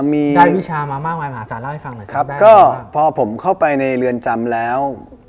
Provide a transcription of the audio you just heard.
มีนายวิชามามากมายมหาศาลเล่าให้ฟังหน่อยครับก็พอผมเข้าไปในเรือนจำแล้ว